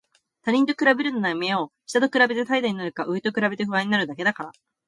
他人と比べるのはやめよう。下と比べて怠惰になるか、上と比べて不安になるだけだから。